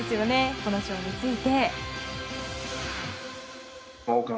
この賞について。